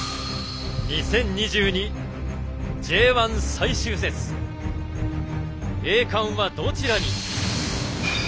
２０２２Ｊ１最終節栄冠はどちらに。